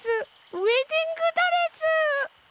ウエディングドレス！